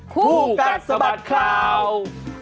คู่กันสบัติข่าว